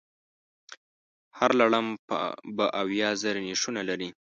هر لړم به اویا زره نېښونه لري.